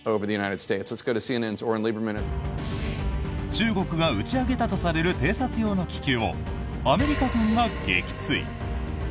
中国が打ち上げたとされる偵察用の気球をアメリカ軍が撃墜。